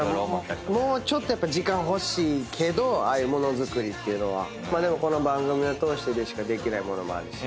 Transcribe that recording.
もうちょっと時間欲しいけどああいうものづくりっていうのはでもこの番組を通してでしかできないものもあるし。